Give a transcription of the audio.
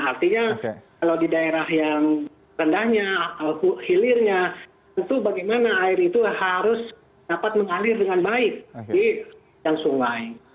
artinya kalau di daerah yang rendahnya hilirnya tentu bagaimana air itu harus dapat mengalir dengan baik di sungai